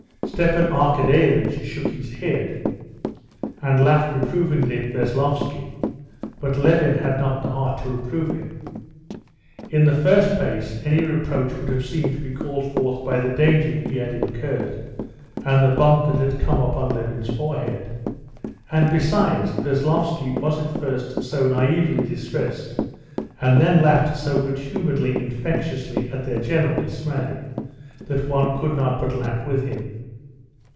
Stepan Arkadyevitch shook his head and laughed reprovingly at Veslovsky. But Levin had not the heart to reprove him. In the first place, any reproach would have seemed to be called forth by the danger he had incurred and the bump that had come up on Levin's forehead. And besides, Veslovsky was at first so naïvely distressed, and then laughed so good humoredly and infectiously at their general dismay, that one could not but laugh with him.